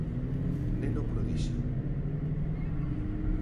Neno prodixio.